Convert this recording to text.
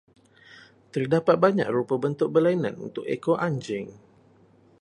Terdapat banyak rupa bentuk berlainan untuk ekor anjing.